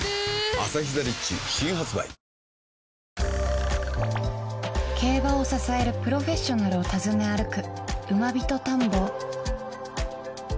「アサヒザ・リッチ」新発売競馬を支えるプロフェッショナルを訪ね歩く